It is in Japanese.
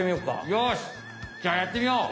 よしじゃあやってみよう！